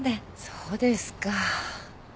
そうですか。